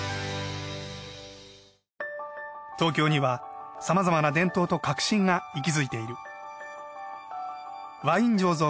東京にはさまざまな伝統と革新が息づいている。